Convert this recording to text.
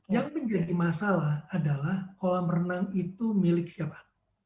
yang menjadi masalah adalah kolam renang itu milik siapa